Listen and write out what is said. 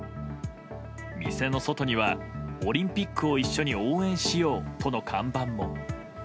店の外には、オリンピックを一緒に応援しようとの看板も。